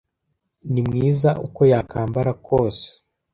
Ni mwiza, uko yambara kose.